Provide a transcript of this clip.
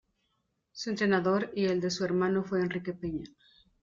Su entrenador y el de su hermano fue Enrique Peña.